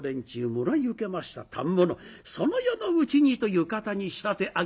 もらい受けました反物その夜のうちにと浴衣に仕立て上げます。